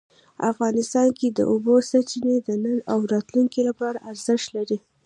افغانستان کې د اوبو سرچینې د نن او راتلونکي لپاره ارزښت لري.